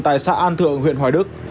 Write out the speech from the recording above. tại xã an thượng huyện hoài đức